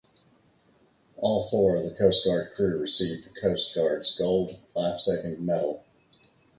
All four of the Coast Guard crew received the Coast Guard's Gold Lifesaving Medal.